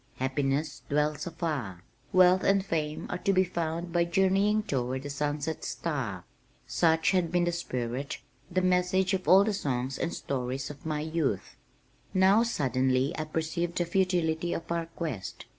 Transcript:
Happiness dwells afar. Wealth and fame are to be found by journeying toward the sunset star!" Such had been the spirit, the message of all the songs and stories of my youth. Now suddenly I perceived the futility of our quest.